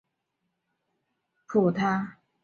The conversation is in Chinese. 近日被缉事衙门指他散播妖言而逮捕他。